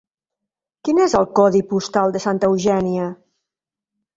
Quin és el codi postal de Santa Eugènia?